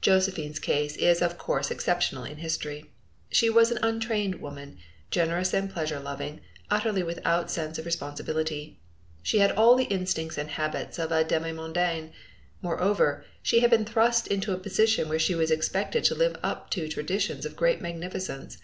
Josephine's case is of course exceptional in history. She was an untrained woman, generous and pleasure loving, utterly without a sense of responsibility. She had all the instincts and habits of a demi mondaine; moreover, she had been thrust into a position where she was expected to live up to traditions of great magnificence.